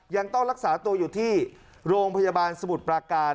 ยังต้องรักษาตัวอยู่ที่โรงพยาบาลสมุทรปราการ